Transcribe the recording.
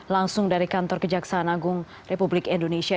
langsung dari kantor kejaksaan agung republik indonesia